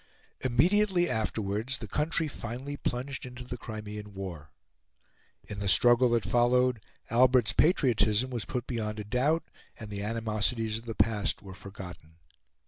Immediately afterwards, the country finally plunged into the Crimean War. In the struggle that followed, Albert's patriotism was put beyond a doubt, and the animosities of the past were forgotten.